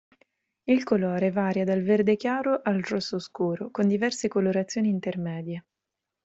Il colore varia dal verde chiaro al rosso scuro, con diverse colorazioni intermedie.